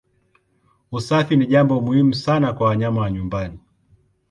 Usafi ni jambo muhimu sana kwa wanyama wa nyumbani.